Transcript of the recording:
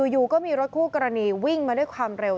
อยู่ก็มีรถคู่กรณีวิ่งมาด้วยความเร็ว